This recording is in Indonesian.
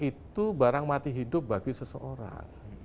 itu barang mati hidup bagi seseorang